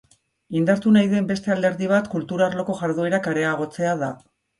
Indartu nahi den beste alderdi bat kultura arloko jarduerak areagotzea da.